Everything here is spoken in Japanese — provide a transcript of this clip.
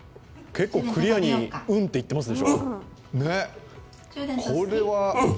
結構クリアに「うん」って言ってますでしょう。